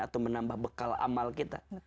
atau menambah bekal amal kita